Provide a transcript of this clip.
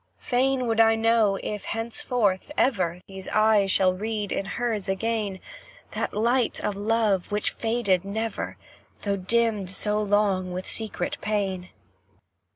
Fain would I know if, henceforth, ever, These eyes shall read in hers again, That light of love which faded never, Though dimmed so long with secret pain.